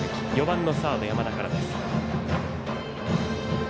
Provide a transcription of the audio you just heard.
４番のサード、山田から。